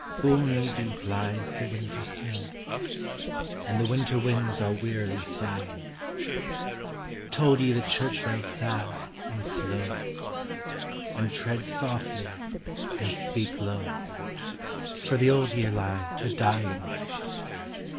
Full knee deep lies the winter snow, And the winter winds are wearily sighing Toll ye the church bell sad and slow, And tread softly and speak low, For the old year lies a dying.